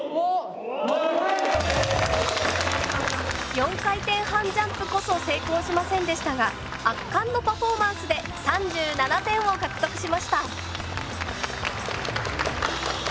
４回転半ジャンプこそ成功しませんでしたが圧巻のパフォーマンスで３７点を獲得しました。